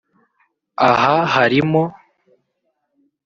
Aha harimo